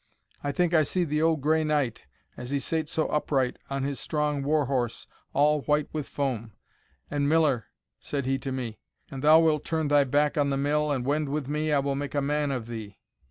I think I see the old gray knight, as he sate so upright on his strong war horse, all white with foam; and 'Miller,' said he to me, 'an thou wilt turn thy back on the mill, and wend with me, I will make a man of thee.'